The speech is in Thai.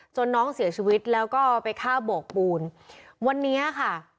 น้องเสียชีวิตแล้วก็ไปฆ่าโบกปูนวันนี้ค่ะ